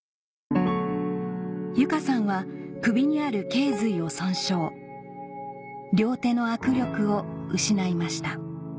由佳さんは首にある頸髄を損傷両手の握力を失いました